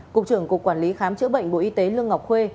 cục trưởng cục quản lý khám chữa bệnh bộ y tế lương ngọc khuê